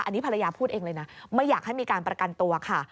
อันนี้ภรรยาพูดเองเลยนะไม่อยากให้มีการประกันตัวค่ะ